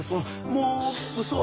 もううそは。